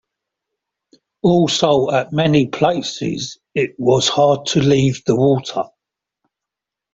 Also, at many places it was hard to leave the water.